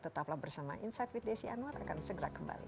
tetaplah bersama insight with desi anwar akan segera kembali